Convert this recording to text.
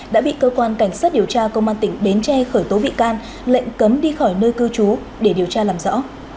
đã bị cơ quan cảnh sát điều tra công an tỉnh bến tre khởi tố bị can lệnh cấm đi khỏi nơi cư trú để điều tra làm rõ